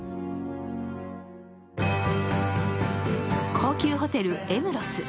高級ホテル・エムロス。